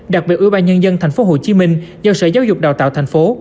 đặc biệt ủy ban nhân dân tp hcm giao sở giáo dục đào tạo thành phố